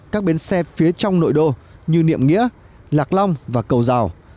các bến xe phía trong nội đô như niệm nghĩa lạc long và cầu rào